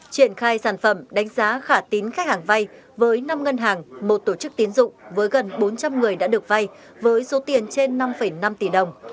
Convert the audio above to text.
triển khai sản phẩm đánh giá khả tín khách hàng vay với năm ngân hàng một tổ chức tín dụng với gần bốn trăm linh người đã được vay với số tiền trên năm năm tỷ đồng